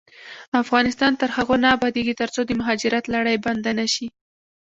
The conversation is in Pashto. افغانستان تر هغو نه ابادیږي، ترڅو د مهاجرت لړۍ بنده نشي.